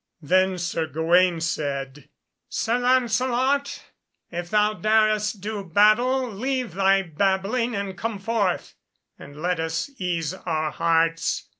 Then Sir Gawaine said, "Sir Lancelot, if thou darest do battle, leave thy babbling and come forth, and let us ease our hearts."